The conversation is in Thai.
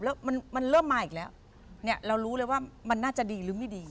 แล้วมันเริ่มมาอีกแล้วเนี่ยเรารู้เลยว่ามันน่าจะดีหรือไม่ดี